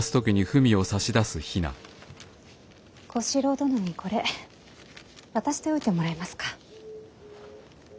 小四郎殿にこれ渡しておいてもらえますか。